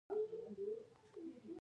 د پیتالوژي علم د مرګ سبب معلوموي.